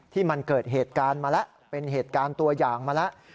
ที่มันเกิดเหตุการณ์มาแล้วเป็นเหตุการณ์ตัวอย่างมาแล้ว